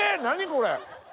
何これ！